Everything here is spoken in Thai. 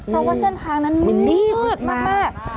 เพราะว่าเส้นทางนั้นมืดมาก